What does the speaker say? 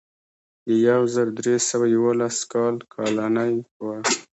د یو زر درې سوه یوولس کال کالنۍ وه.